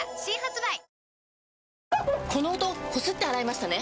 この音こすって洗いましたね？